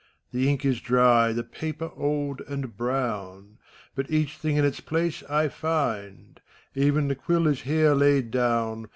The ink is dry, the paper old and brown, But each thing in its place I find: Even the quill is here laid down.